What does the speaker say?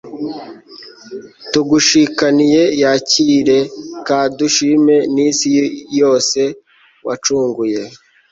tugushikaniye yakire kand'ushime n'isi yose wacunguye